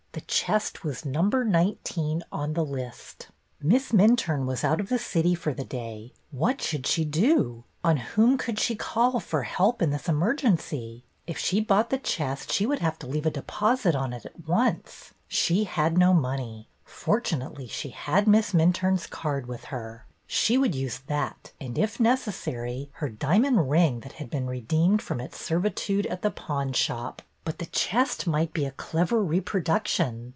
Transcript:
The chest was number nine teen on the list. Miss Minturne was out of the city for the day. What should she do? On whom could she call for help in this emergency? If she bought the THE UNKNOWN BIDDER 289 chest she would have to leave a deposit on it at once. She had no money. Fortunately, she had Miss Minturne's card with her. She would use that, and, if necessary, her diamond ring that had been redeemed from its servitude at the pawnshop. But the chest might be a clever reproduction.